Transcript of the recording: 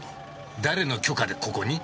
誰の許可でここに？